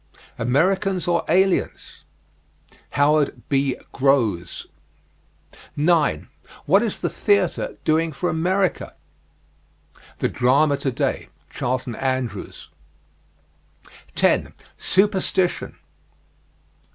"Americans or Aliens?" Howard B. Grose. 9. WHAT IS THE THEATRE DOING FOR AMERICA? "The Drama Today," Charlton Andrews. 10. SUPERSTITION.